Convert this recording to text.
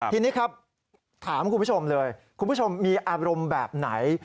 ทีนี้ครับถามคุณผู้ชมเลยคุณผู้ชมมีอารมณ์แบบไหน